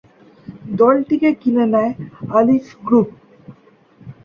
দলটিকে কিনে নেয় আলিফ গ্রুপ।